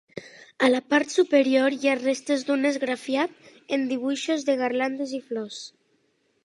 A la part superior hi ha restes d'un esgrafiat amb dibuixos de garlandes i flors.